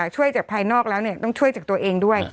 ช่วยจากภายนอกแล้วต้องช่วยจากตัวเองด้วย